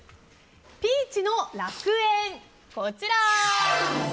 ピーチの楽園、こちら！